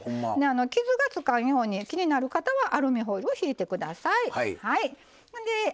傷がつかないように気になる方はアルミホイルを引いてください。